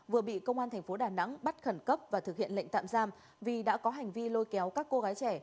vừa bị công an thành phố đà nẵng bắt khẩn cấp và thực hiện lệnh tạm giam vì đã có hành vi lôi kéo các cô gái trẻ